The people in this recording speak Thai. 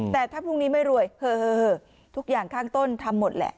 แต่ถ้าพรุ่งนี้ไม่รวยเผลอทุกอย่างข้างต้นทำหมดแหละ